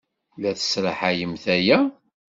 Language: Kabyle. La tesraḥayemt aya?